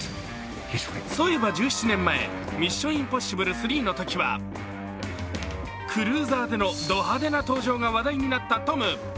そういえば１７年前、「ミッション：インポッシブル３」のときはクルーザーでのド派手な登場が話題になったトム。